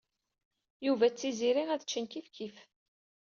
Yuba d Tiziri ad ččen kifkif.